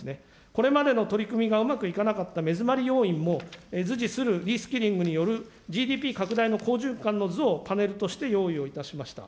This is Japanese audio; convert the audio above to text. これまでの取り組みがうまくいかなかった目詰まり要因も、図じするリスキリングによるＧＤＰ拡大の好循環の図をパネルとして用意しました。